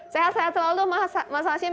sehat sehat selalu mas hashim